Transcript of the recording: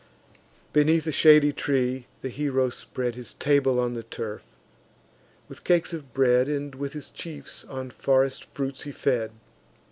Beneath a shady tree, the hero spread His table on the turf, with cakes of bread; And, with his chiefs, on forest fruits he fed.